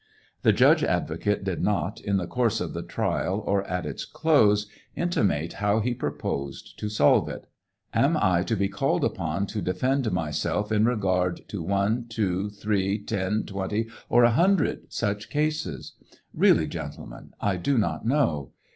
The judge advocate did not, in the course of the trial or at its close, intimate how he proposed to solve it. Am I to be called upon to defend myself in regard to one, two, three, ten, twenty or a hundred such cases 1 Really, gentlemen, I do not know.